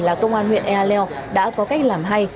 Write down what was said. là công an huyện ealeo đã có cách làm hay